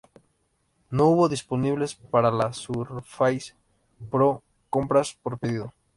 No hubo disponibles para la Surface Pro compras por pedido.